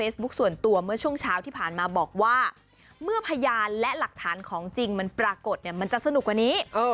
ส่วนตัวเมื่อช่วงเช้าที่ผ่านมาบอกว่าเมื่อพยานและหลักฐานของจริงมันปรากฏเนี่ยมันจะสนุกกว่านี้